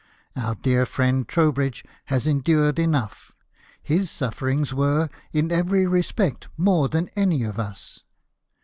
Our dear friend Trowbridge has endured enough. His sufferings were, in every respect, more than any of us."